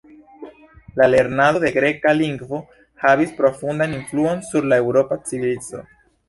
La lernado de la Greka lingvo havis profundan influon sur la Eŭropa civilizo.